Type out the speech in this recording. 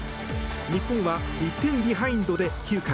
日本は１点ビハインドで９回。